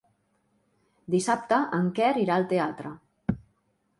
Dissabte en Quer irà al teatre.